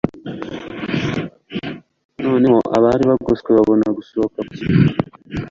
noneho abari bagoswe babona gusohoka mu kigo